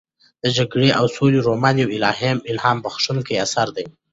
د جګړې او سولې رومان یو الهام بښونکی اثر دی.